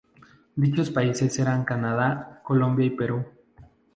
Dichos países eran Canadá, Colombia y Perú.